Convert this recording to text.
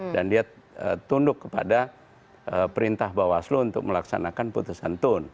dan dia tunduk kepada perintah bawah aslu untuk melaksanakan putusan tun